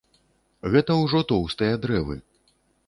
Гэта ўжо тоўстыя дрэвы.